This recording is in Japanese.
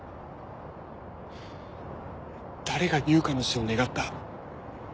誰が悠香の死を願った？